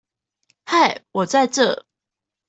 嗨我在這